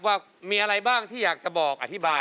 ว่ามีอะไรบ้างที่อยากจะบอกอธิบาย